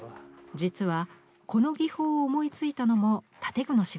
実はこの技法を思いついたのも建具の仕事でした。